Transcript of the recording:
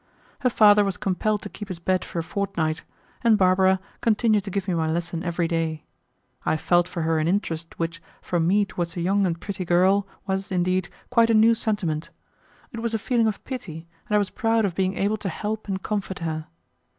Her father was compelled to keep his bed for a fortnight, and Barbara continued to give me my lesson every day. I felt for her an interest which, from me towards a young and pretty girl, was, indeed, quite a new sentiment. It was a feeling of pity, and I was proud of being able to help and comfort her.